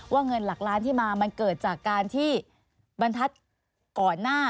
เงินหลักล้านที่มามันเกิดจากการที่บรรทัศน์ก่อนหน้า